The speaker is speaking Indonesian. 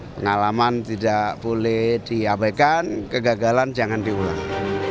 pengalaman tidak boleh diabaikan kegagalan jangan diulang